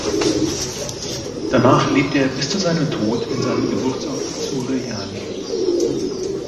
Danach lebte er bis zu seinem Tod in seinem Geburtsort Suure-Jaani.